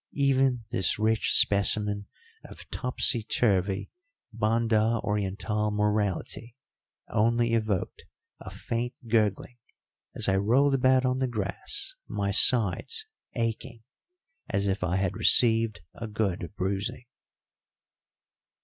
Even this rich specimen of topsy turvy Banda Orientál morality only evoked a faint gurgling as I rolled about on the grass, my sides aching, as if I had received a good bruising.